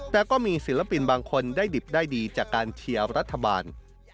แต่ก็มีศิลปินบางคนได้ดิบได้ดีจากการเชียร์รัฐบาล